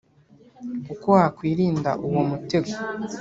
Uko wakwirinda uwo mutego